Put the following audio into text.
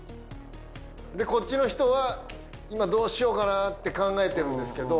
こっちの人は今どうしようかなって考えてるんですけど。